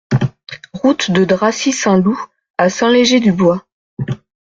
Route de Dracy Saint-Loup à Saint-Léger-du-Bois